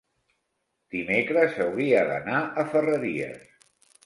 Dimecres hauria d'anar a Ferreries.